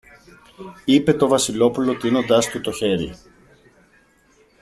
είπε το Βασιλόπουλο τείνοντας του το χέρι.